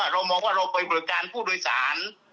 เรามองว่าเราไปบริการผู้โดยสาร